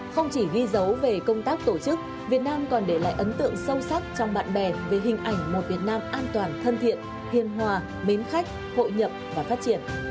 không chỉ ghi dấu về công tác tổ chức việt nam còn để lại ấn tượng sâu sắc trong bạn bè về hình ảnh một việt nam an toàn thân thiện hiền hòa mến khách hội nhập và phát triển